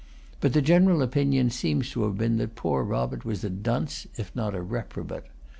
But the general opinion seems to have been that poor Robert was a dunce, if not a reprobate.